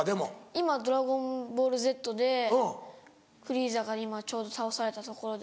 今『ドラゴンボールＺ』でフリーザが今ちょうど倒されたところで。